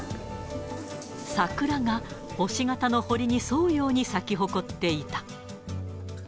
桜が星形の堀に沿うように咲き誇っていた。